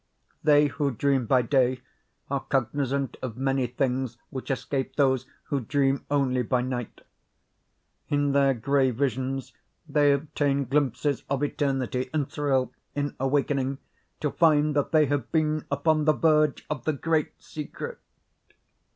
They who dream by day are cognizant of many things which escape those who dream only by night. In their gray visions they obtain glimpses of eternity, and thrill, in awakening, to find that they have been upon the verge of the great secret.